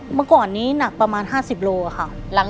เมื่อก่อนนี้หนักประมาณ๕๐โลค่ะ